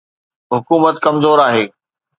حڪومت ڪمزور آهي.